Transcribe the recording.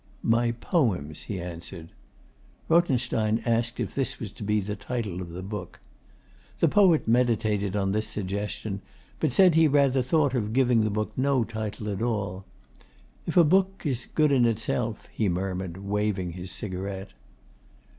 'My poems,' he answered. Rothenstein asked if this was to be the title of the book. The poet meditated on this suggestion, but said he rather thought of giving the book no title at all. 'If a book is good in itself ' he murmured, waving his cigarette.